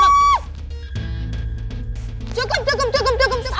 cukup cukup cukup cukup